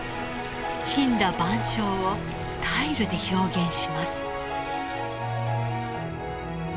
森羅万象をタイルで表現します。